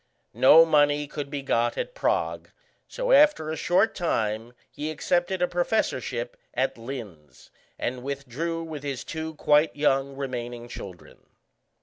No money could be got at Prague, so after a short time he accepted a professorship at Linz, and withdrew with his two quite young remaining children.